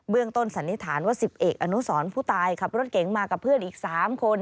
ต้นสันนิษฐานว่า๑๐เอกอนุสรผู้ตายขับรถเก๋งมากับเพื่อนอีก๓คน